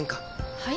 はい？